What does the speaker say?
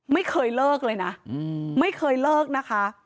ไม่เคยเลิกเลยนะไม่เคยเลิกนะคะ